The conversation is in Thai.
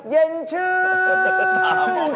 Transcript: เย็นชื่น